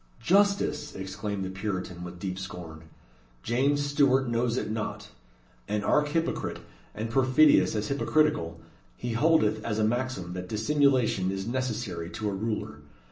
"Justice!" exclaimed the Puritan with deep scorn. "James Stuart knows it not. An archhypocrite, and perfidious as hypocritical, he holdeth as a maxim that Dissimulation is necessary to a Ruler.